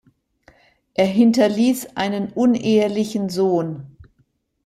Er hinterließ einen unehelichen Sohn.